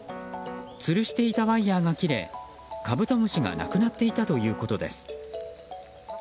つるしていたワイヤが切れカブトムシがなくなっていたということです。